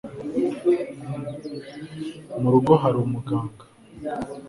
mu rugo hari umuganga